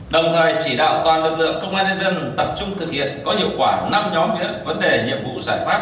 đồng thời chỉ đạo toàn lực lượng công an nhân dân tập trung thực hiện có hiệu quả năm nhóm những vấn đề nhiệm vụ giải pháp